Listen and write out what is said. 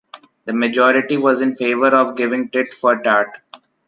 The majority was in favor of giving tit for tat.